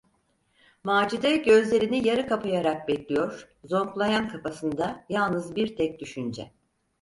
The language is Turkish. Macide gözlerini yarı kapayarak bekliyor, zonklayan kafasında yalnız bir tek düşünce: